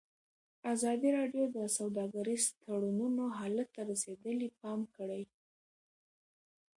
ازادي راډیو د سوداګریز تړونونه حالت ته رسېدلي پام کړی.